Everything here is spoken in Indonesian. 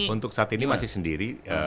untuk saat ini masih sendiri